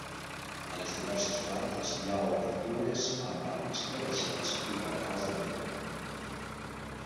A les diverses plantes hi ha obertures amb arcs rebaixats i brancals de pedra.